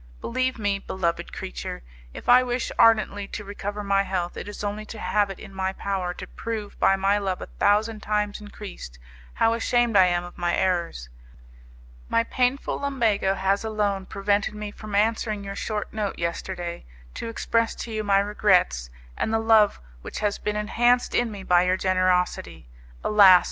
Believe me, beloved creature, if I wish ardently to recover my health, it is only to have it in my power to prove by my love a thousand times increased, how ashamed I am of my errors. My painful lumbago has alone prevented me from answering your short note yesterday, to express to you my regrets, and the love which has been enhanced in me by your generosity, alas!